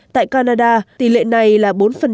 tại canada tỷ lệ này là bốn